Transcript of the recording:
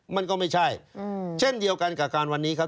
มันก็ไม่ใช่เช่นเดียวกันกับการวันนี้ครับ